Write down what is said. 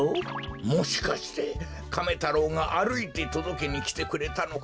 もしかしてカメ太郎があるいてとどけにきてくれたのか？